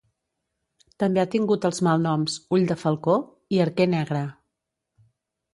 També ha tingut els malnoms "Ull de falcó" i "Arquer negre".